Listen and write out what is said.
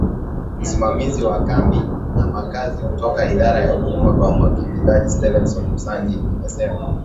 Usimamizi wa Kambi na Makazi kutoka Idara ya Huduma kwa Wakimbizi Stephen Msangi amesema